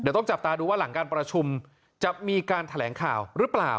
เดี๋ยวต้องจับตาดูว่าหลังการประชุมจะมีการแถลงข่าวหรือเปล่า